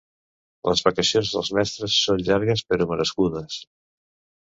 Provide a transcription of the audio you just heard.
Les vacacions dels mestres són llargues però merescudes.